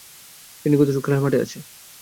সে নিকটস্থ খেলার মাঠে আছে।